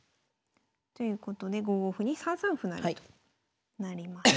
ということで５五歩に３三歩成となります。